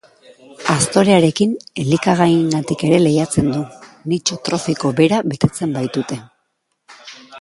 Aztorearekin elikagaiengatik ere lehiatzen du, nitxo trofiko bera betetzen baitute.